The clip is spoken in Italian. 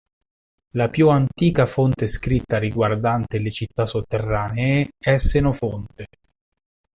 La più antica fonte scritta riguardante le città sotterranee è Senofonte.